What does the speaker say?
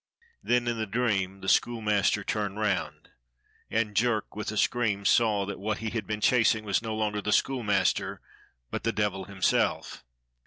Then in the dream the schoolmaster turned round, and Jerk with a scream saw that what he had been chasing was no longer the schoolmaster but the devil himself.